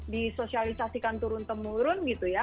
disosialisasikan turun temurun gitu ya